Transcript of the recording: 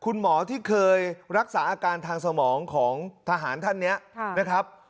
คุณหมอที่เคยรักษาอาการทางสมองของทหารท่านนี้นะครับ